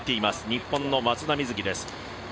日本の松田瑞生です。